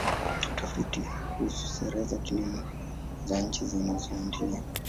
Utafiti kuhusu sera za kilimo za nchi zinazoendelea.